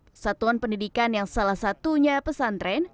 persatuan pendidikan yang salah satunya pesantren